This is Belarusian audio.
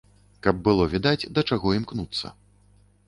Каб было відаць, да чаго імкнуцца.